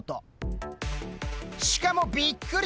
しかもびっくり！